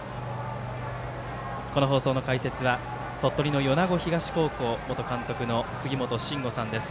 この放送の解説は鳥取の米子東高校元監督の杉本真吾さんです。